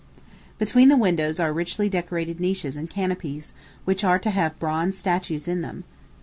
Between the windows are richly decorated niches and canopies, which are to have bronze statues in them.